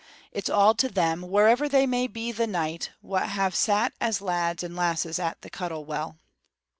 It's to all them, wherever they may be the night, wha' have sat as lads and lasses at the Cuttle Well."